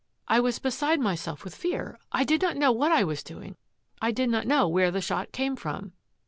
" I was beside my self with fear. I did not know what I was doing. I did not know where the shot came from."